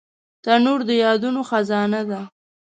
تنور د یادونو خزانه ده